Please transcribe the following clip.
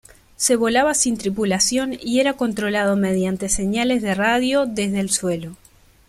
Se volaba sin tripulación y era controlado mediante señales de radio desde el suelo.